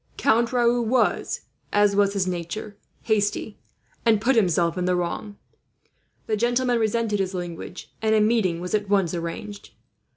Count Raoul was, as was his nature, hasty, and put himself in the wrong. The gentleman resented his language, and a meeting was at once arranged.